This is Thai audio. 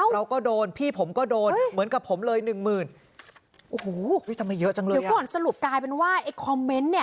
เราก็โดนพี่ผมก็โดนเหมือนกับผมเลย๑หมื่น